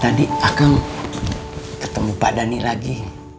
tadi akan ketemu pak dhani lagi